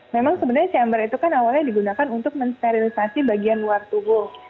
memang sebenarnya chamber itu kan awalnya digunakan untuk mensterilisasi bagian luar tubuh